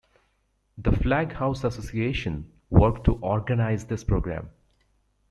The Flag House Association worked to organize this program.